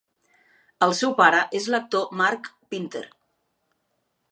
El seu pare és l'actor Mark Pinter.